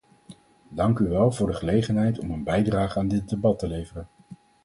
Dank u wel voor de gelegenheid om een bijdrage aan dit debat te leveren.